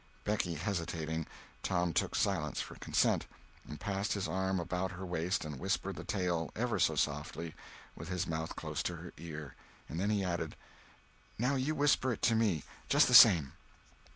Becky hesitating, Tom took silence for consent, and passed his arm about her waist and whispered the tale ever so softly, with his mouth close to her ear. And then he added: "Now you whisper it to me—just the same."